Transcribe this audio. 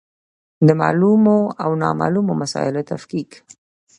د معلومو او نامعلومو مسایلو تفکیک.